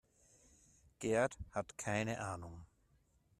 Gerd hat keine Ahnung.